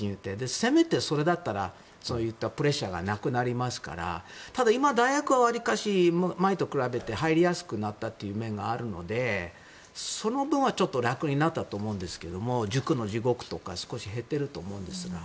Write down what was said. せめて、それだったらプレッシャーがなくなりますからただ、今、大学はわりかし前と比べて入りやすくなった面があるのでその分はちょっと楽になったと思うんですけども塾の地獄とか少し減っていると思いますが。